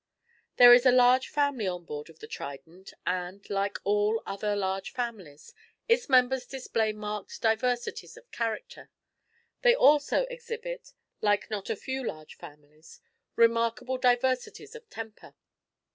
There is a large family on board of the Trident, and, like all other large families, its members display marked diversities of character. They also exhibit, like not a few large families, remarkable diversities of temper.